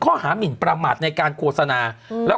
ข้อหามินประหมัดในการโฆษณา